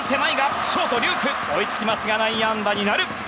ショート、龍空が追いつきますが内野安打になる。